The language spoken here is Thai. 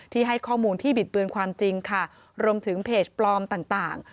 ให้ข้อมูลที่บิดเบือนความจริงค่ะรวมถึงเพจปลอมต่าง